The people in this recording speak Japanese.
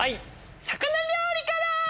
魚料理から！